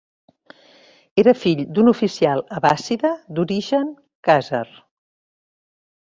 Era fill d'un oficial abbàssida d'origen khàzar.